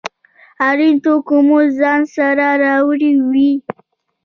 اړین توکي مو ځان سره راوړي وي.